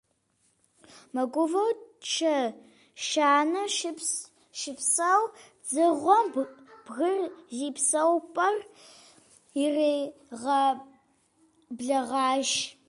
Мыгувэу чэщанэм щыпсэу дзыгъуэм бгыр зи псэупӀэр иригъэблэгъащ.